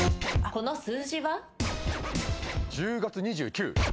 この数字は？